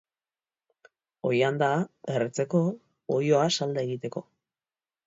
Oilanda, erretzeko; oiloa, salda egiteko.